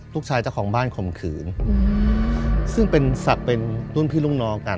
ลูกชายเจ้าของบ้านขมขืนซึ่งเป็นสัตว์เป็นรุ่นพี่ลูกนอกัน